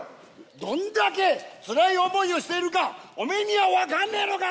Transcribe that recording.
「どんだけつらい思いをしているかおめえには分かんねえのか！」